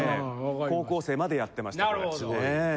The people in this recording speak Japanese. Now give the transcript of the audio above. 高校生までやってましたええ。